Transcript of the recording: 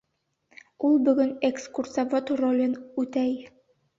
Ул бөгөн экскурсовод ролен үтәй.